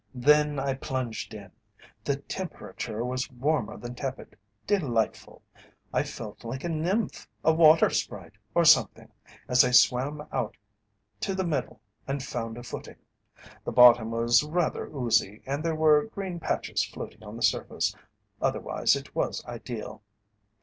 "Then I plunged in the temperature was warmer than tepid delightful. I felt like a nymph, a water sprite, or something, as I swam out to the middle and found a footing. The bottom was rather oozy, and there were green patches floating on the surface, otherwise it was ideal.